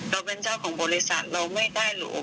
เราเป็นเจ้าของบริษัทเราไม่ได้หรอก